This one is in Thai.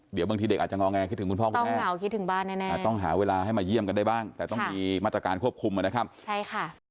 เดี๋ยวบางทีเด็กอาจจะงอแงคิดถึงคุณพ่อคุณแม่เห่าคิดถึงบ้านแน่ต้องหาเวลาให้มาเยี่ยมกันได้บ้างแต่ต้องมีมาตรการควบคุมนะครับใช่ค่ะ